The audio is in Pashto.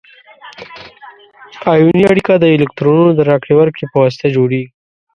ایوني اړیکه د الکترونونو د راکړې ورکړې په واسطه جوړیږي.